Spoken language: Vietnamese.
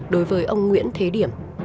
đối với ông nguyễn thế điểm